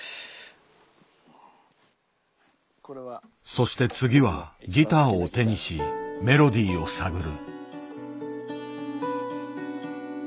そして次はギターを手にしメロディーを探る。